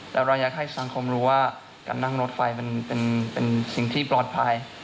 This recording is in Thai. แล้วเราอยากให้สังคมรู้ว่าการนั่งรถไฟมันเป็นสิ่งที่ปลอดภัย